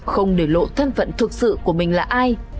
không để lộ thân phận thực sự của mình là ai